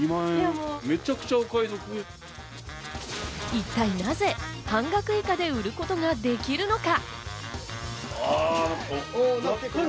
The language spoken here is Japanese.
一体なぜ半額以下で売ることができるのか？